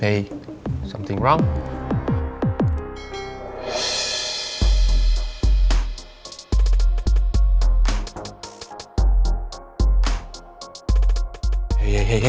hei ada sesuatu yang salah